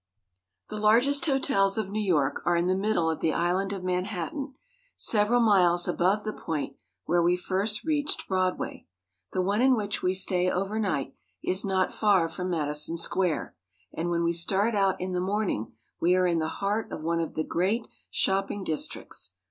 THE largest hotels of New York are in the middle of the island of Manhattan, several miles above the point where we first reached Broadway. The one in which we stay overnight is not far from Madison Square, and when we start out in the morn ing we are in the heart of one of the great shopping districts.